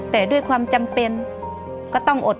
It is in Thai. แต่ด้วยความจำเป็นก็ต้องอด